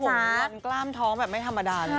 โถวันกล้ามท้องแบบไม่ธรรมดานะครับ